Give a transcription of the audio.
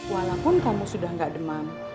walaupun kamu sudah tidak demam